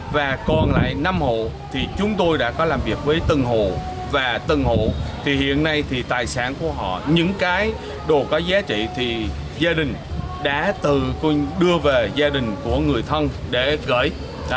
và còn lại năm hộ thì chúng tôi đã có làm việc với từng hộ và tầng hộ thì hiện nay thì tài sản của họ những cái đồ có giá trị thì gia đình đã tự đưa về gia đình của người thân để gửi